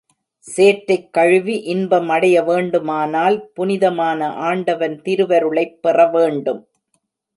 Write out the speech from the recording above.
சேற்றைக் கழுவி இன்பம் அடைய வேண்டுமானால் புனிதமான ஆண்டவன் திருவருளைப் பெற வேண்டும்.